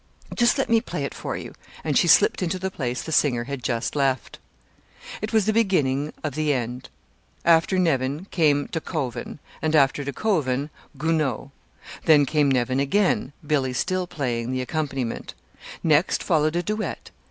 Just let me play it for you." And she slipped into the place the singer had just left. It was the beginning of the end. After Nevin came De Koven, and after De Koven, Gounod. Then came Nevin again, Billy still playing the accompaniment. Next followed a duet.